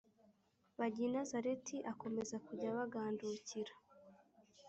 bajya i Nazareti akomeza kujya abagandukira